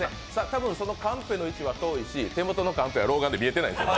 多分、そのカンペの位置は遠いし手元のカンペは老眼で見えてないんですよ。